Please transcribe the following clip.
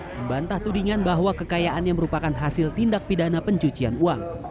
membantah tudingan bahwa kekayaannya merupakan hasil tindak pidana pencucian uang